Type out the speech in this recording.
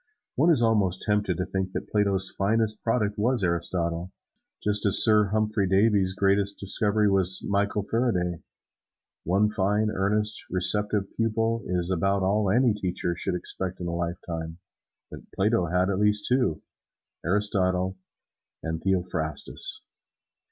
One is almost tempted to think that Plato's finest product was Aristotle, just as Sir Humphry Davy's greatest discovery was Michael Faraday. One fine, earnest, receptive pupil is about all any teacher should expect in a lifetime, but Plato had at least two, Aristotle and Theophrastus.